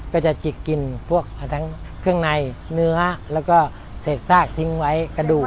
ก็จะจิกกินพวกทั้งเครื่องในเนื้อแล้วก็เศษซากทิ้งไว้กระดูก